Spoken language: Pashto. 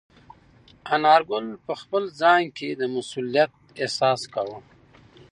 انارګل په خپل ځان کې د مسؤلیت احساس کاوه.